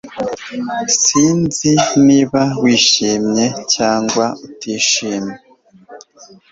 S Sinzi niba wishimye cyangwa utishimye